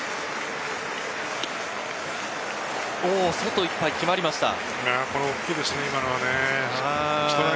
外いっぱい、決まりました。